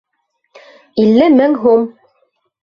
Илле мең һум!